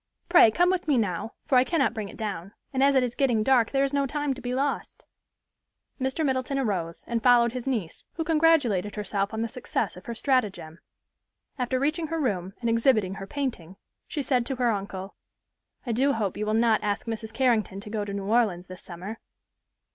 Pray, come with me now, for I cannot bring it down, and as it is getting dark, there is no time to be lost." Mr. Middleton arose and followed his niece, who congratulated herself on the success of her stratagem. After reaching her room, and exhibiting her painting, she said to her uncle, "I do hope you will not ask Mrs. Carrington to go to New Orleans this summer."